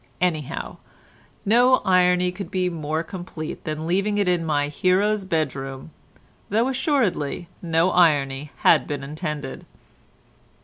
Anyhow, no irony could be more complete than leaving it in my hero's bedroom, though assuredly no irony had been intended.